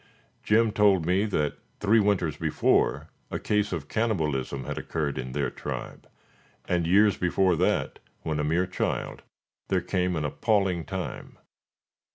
Jim told me that three winters before a case of cannibalism had occurred in their tribe, and years before that, when a mere child, there came an appalling time.